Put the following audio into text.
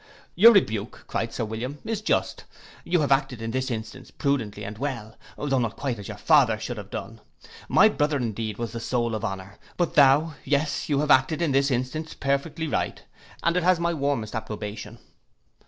'Your rebuke,' cried Sir William, 'is just; you have acted in this instance prudently and well, though not quite as your father would have done: my brother indeed was the soul of honour; but thou—yes you have acted in this instance perfectly right, and it has my warmest approbation.